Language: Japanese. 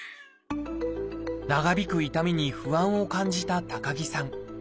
長引く痛みに不安を感じた高木さん。